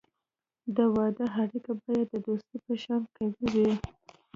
د واده اړیکه باید د دوستی په شان قوي وي.